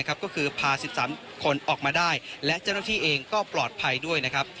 ก็คือพา๑๓คนออกมาได้และเจ้าหน้าที่เองก็ปลอดภัยด้วยนะครับ